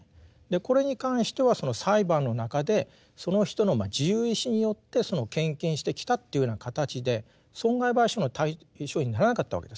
これに関してはその裁判の中でその人の自由意思によってその献金してきたというような形で損害賠償の対象にならなかったわけです。